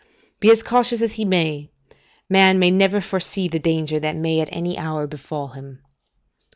["Be as cautious as he may, man can never foresee the danger that may at any hour befal him."